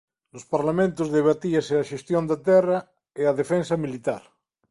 Nos parlamentos debatíase a xestión da terra e a defensa militar.